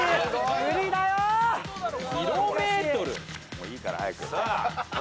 もういいから早く。